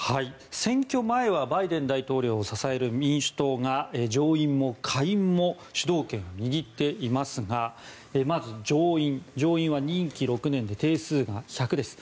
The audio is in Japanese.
選挙前はバイデン大統領を支える民主党が上院も下院も主導権を握っていますがまず、上院は任期６年で定数が１００です。